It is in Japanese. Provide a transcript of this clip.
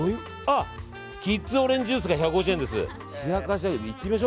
キッズオレンジジュースが１５０円です。